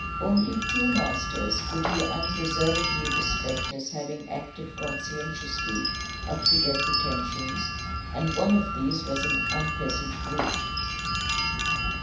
Only two masters could he unreservedly respect as having acted conscientiously up to their pretensions, and one of these was an unpleasant brute.